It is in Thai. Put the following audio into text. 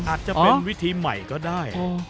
อาจจะเป็นวิธีใหม่ก็ได้